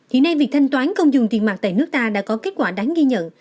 hiện nay việc thanh toán không dùng tiền mặt tại nước ta đã có kết quả đáng ghi nhận